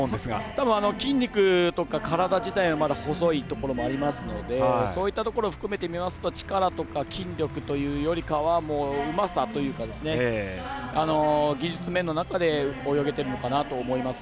たぶん、筋肉とか体自体が細いところもありますのでそういったところを含めてみますと力とか筋量としてみるとうまさというか、技術面の中で泳げているのかなと思います。